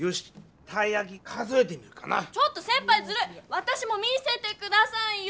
わたしも見せてくださいよ！